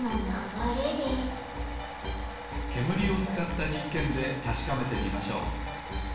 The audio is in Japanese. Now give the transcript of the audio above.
けむりをつかったじっけんでたしかめてみましょう。